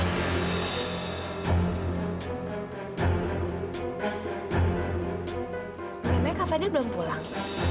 memangnya kak fadil belum pulang